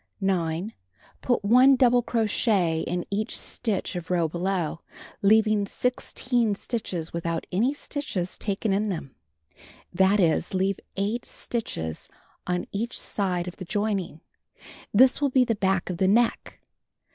9. Put 1 double crochet in each stitch of row below, leaving 16 stitches without any stitches taken in them. That is, leave 8 230 Knitting and Crocheting Book stitches on each side of the joining. This will be the back of the neck.